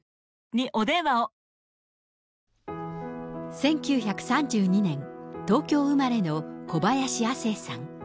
１９３２年、東京生まれの小林亜星さん。